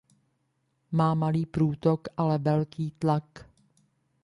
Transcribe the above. Má malý průtok ale velký tlak.